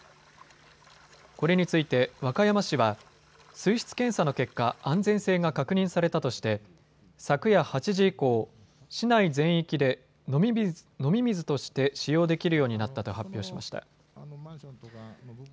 これについて和歌山市は水質検査の結果、安全性が確認されたとして昨夜８時以降、市内全域で飲み水として使用できるようになったと発表しました。